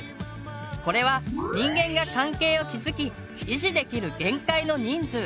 これは人間が関係を築き維持できる限界の人数。